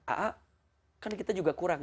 aa kan kita juga kurang